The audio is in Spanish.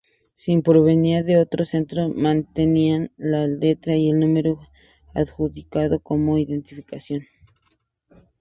Si provenían de otro centro, mantenían la letra y el número adjudicado como identificación.